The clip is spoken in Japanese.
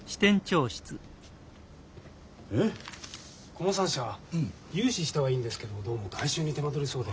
この３社は融資したはいいんですけどどうも回収に手間取りそうで。